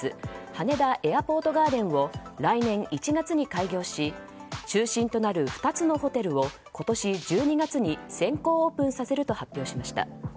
羽田エアポートガーデンを来年１月に開業し中心となる２つのホテルを今年１２月に先行オープンさせると発表しました。